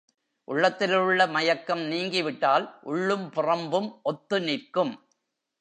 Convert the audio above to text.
உள்ளத்திலுள்ள மயக்கம் நீங்கிவிட்டால் உள்ளும் புறம்பும் ஒத்து நிற்கும்.